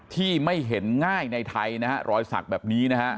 ที่ไม่เห็นง่ายในไทยนะฮะรอยสักแบบนี้นะฮะ